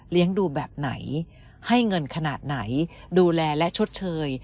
ดูแบบไหนให้เงินขนาดไหนดูแลและชดเชย